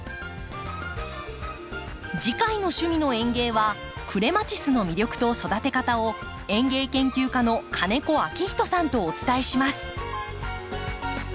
次回の「趣味の園芸」はクレマチスの魅力と育て方を園芸研究家の金子明人さんとお伝えします。